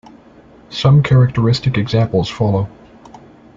Some characteristic examples follow.